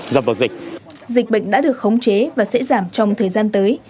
dịch bệnh đã được khống chế và sẽ giảm trong thời gian tới